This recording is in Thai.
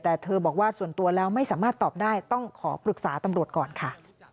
แต่เธอบอกว่าส่วนตัวแล้วไม่สามารถตอบได้ต้องขอปรึกษาตำรวจก่อนค่ะ